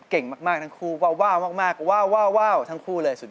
เก่งมากทั้งคู่ว้าวมากทั้งคู่เลยสุดยอดค่ะ